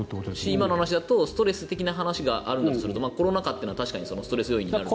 今の話だとストレス的な話があるとするならコロナ禍というのは確かにストレス要因になるので。